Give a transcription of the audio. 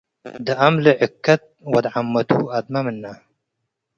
ደአም ለዕኩት ወድ-ዐመ'ቱ አዝመ ምነ'።